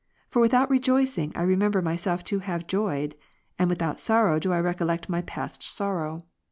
For without rejoicing I remember myself to have joyed; and without sorrow do I recollect my past sorrow.